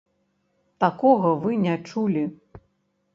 Такога вы не чулі.